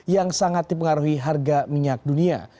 yang sangat dipengaruhi harga minyak dunia